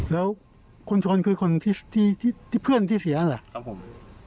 แล้วคนชนคือคนที่ที่ที่เพื่อนที่เสียน่ะครับผมอ๋อ